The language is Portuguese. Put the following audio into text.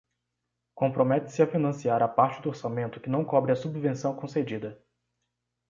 Compromete-se a financiar a parte do orçamento que não cobre a subvenção concedida.